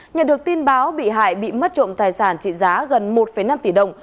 nhận được tin báo bị hại bị mất trộm tài sản trị giá gần một năm tỷ đồng